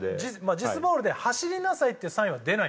ディスボールで走りなさいっていうサインは出ないんです。